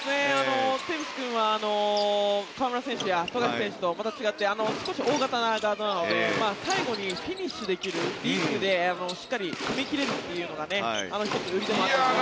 テーブス君は河村選手や富樫選手とまた違って少し大型のガードなので最後にフィニッシュできるというところでしっかり踏み切れるというのが１つ売りでもあるので。